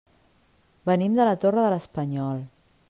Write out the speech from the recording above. Venim de la Torre de l'Espanyol.